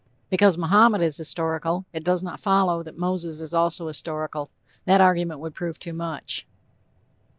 _ Because Mohammed is historical, it does not follow that Moses is also historical. That argument would prove too much.